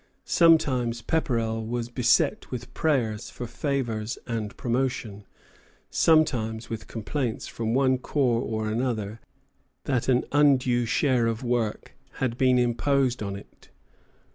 Sometimes Pepperrell was beset with prayers for favors and promotion; sometimes with complaints from one corps or another that an undue share of work had been imposed on it.